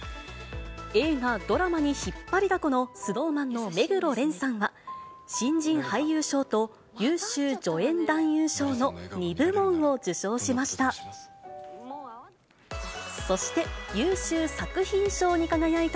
映画、ドラマに引っ張りだこのＳｎｏｗＭａｎの目黒蓮さんは、新人俳優賞と優秀助演男優賞の２部門を受賞しました。